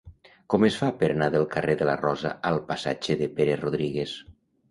Com es fa per anar del carrer de la Rosa al passatge de Pere Rodríguez?